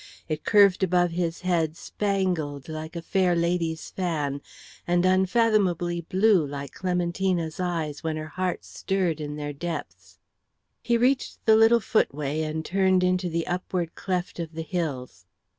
It curved above his head spangled like a fair lady's fan, and unfathomably blue like Clementina's eyes when her heart stirred in their depths. He reached the little footway and turned into the upward cleft of the hills.